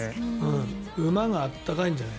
馬が温かいんじゃない？